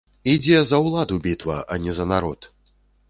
Ідзе за ўладу бітва, а не за народ.